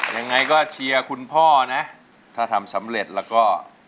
ยังไงก็เชียร์คุณพ่อนะถ้าทำสำเร็จแล้วก็